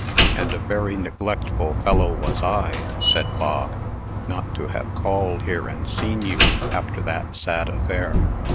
"And a very neglectful fellow was I," said Bog, "not to have called here and seen you, after that sad affair.